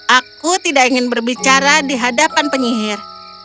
aku tidak ingin berbicara di hadapan penyihir